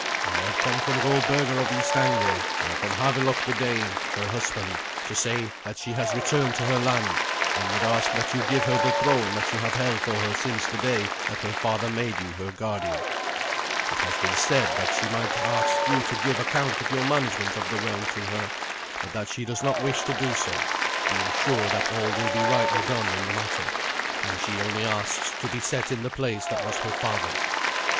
"I have come from Goldberga of East Anglia, and from Havelok the Dane, her husband, to say that she has returned to her land, and would ask that you would give her the throne that you have held for her since the day that her father made you her guardian. It has been said that she might ask you to give account of your management of the realm to her; but that she does not wish to do, being sure that all will be rightly done in the matter, and she only asks to be set in the place that was her father's."